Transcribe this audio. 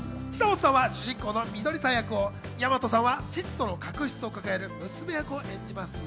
久本さんは主人公のミドリさん役を、大和さんは父との確執を抱える娘役を演じます。